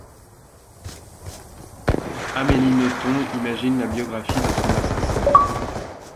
Amélie Nothomb imagine la biographie de son assassin.